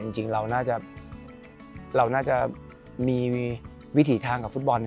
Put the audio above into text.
จริงเราน่าจะมีวิถีทางกับฟุตบอล